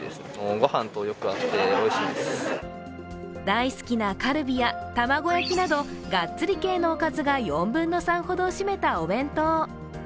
大好きなカルビや卵焼きなど、ガッツリ系のおかずが４分の３ほど占めたお弁当。